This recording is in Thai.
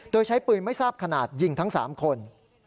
โดยใช้ปืนไม่ทราบขนาดยิงทั้ง๓คน